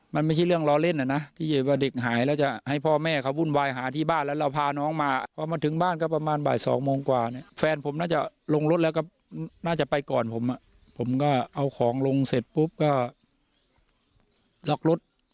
แฟนผมน่าจะลงรถแล้วก็น่าจะไปก่อนผมผมก็เอาของลงเสร็จปุ๊บก็ล็อกรถ